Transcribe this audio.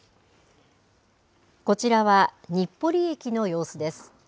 こちらは、日暮里駅の様子です。